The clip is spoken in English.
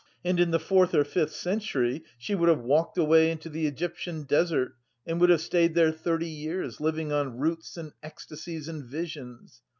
And in the fourth or fifth century she would have walked away into the Egyptian desert and would have stayed there thirty years living on roots and ecstasies and visions.